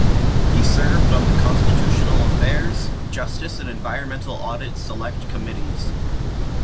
He served on the Constitutional Affairs, Justice and Environmental Audit Select Committees.